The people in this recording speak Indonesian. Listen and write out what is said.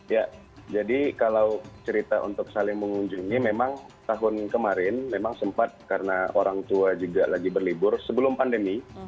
ya jadi kalau cerita untuk saling mengunjungi memang tahun kemarin memang sempat karena orang tua juga lagi berlibur sebelum pandemi